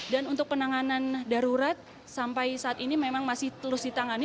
dan untuk penanganan darurat sampai saat ini memang masih terus ditangani